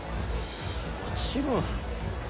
もちろん。